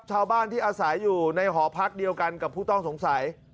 ชาวบ้านที่อาศัยอยู่ในหอพักเดียวกันกับผู้ต้องสงสัย